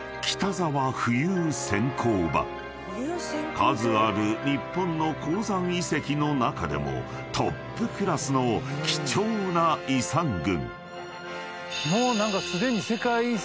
［数ある日本の鉱山遺跡の中でもトップクラスの貴重な遺産群］